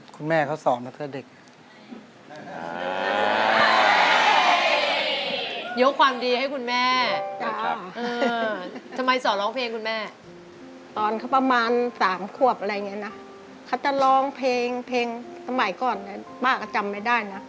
คุณแม่เขาสอน